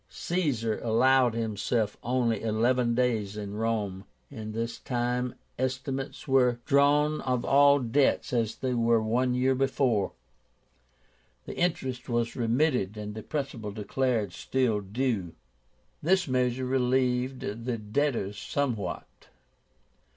Caesar allowed himself only eleven days in Rome. In this time estimates were drawn of all debts as they were one year before, the interest was remitted and the principal declared still due. This measure relieved the debtors somewhat.